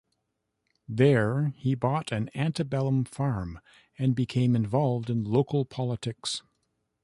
There, he bought an antebellum farm and became involved in local politics.